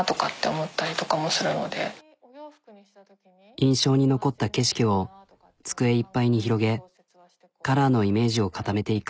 印象に残った景色を机いっぱいに広げカラーのイメージを固めていく。